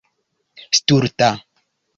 stulta